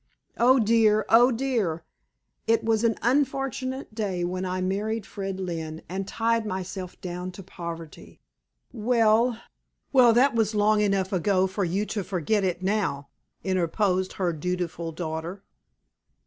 Oh, dear oh, dear! it was an unfortunate day when I married Fred Lynne and tied myself down to poverty!" "Well, well, that was long enough ago for you to forget it now," interposed her dutiful daughter.